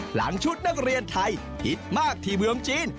หลังชุดนักเรียนไทยฮิตมากที่เมืองจีน